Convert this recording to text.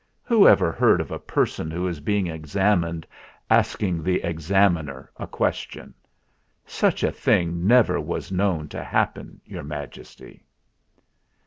Who ever heard of a person who is being examined asking the Examiner a question? Such a thing never was known to happen, Your Maj esty."